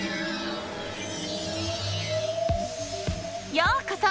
ようこそ！